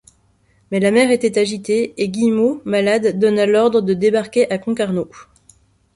Mais la mer était agitée et Guillemot, malade, donna l'ordre de débarquer à Concarneau.